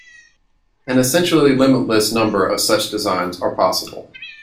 An essentially limitless number of such designs are possible.